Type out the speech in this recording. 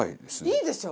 いいでしょ？